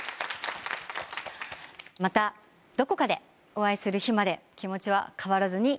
またどこかでお会いする日まで気持ちは変わらずに。